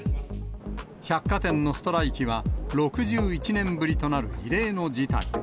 百貨店のストライキは６１年ぶりとなる異例の事態。